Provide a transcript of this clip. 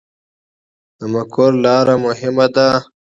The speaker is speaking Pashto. د مقر لاره مهمه ده